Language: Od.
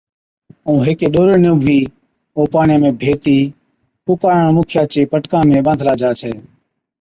ائُون ھيڪي ڏوري نُون ڀِي او پاڻِيئا ۾ ڀيتِي ڪُڪاڻن مُکِيان چي پٽڪان ۾ ٻانڌلا جا ڇَي